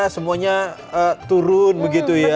semuanya turun begitu ya